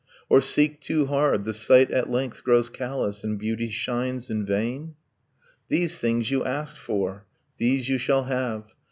Or 'seek too hard, the sight at length grows callous, And beauty shines in vain'? These things you ask for, These you shall have.